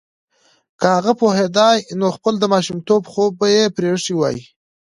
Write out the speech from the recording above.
که هغه پوهیدای نو خپل د ماشومتوب خوب به یې پریښی وای